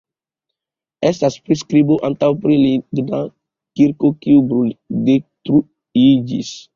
Estas priskribo ankaŭ pri ligna kirko, kiu bruldetruiĝis.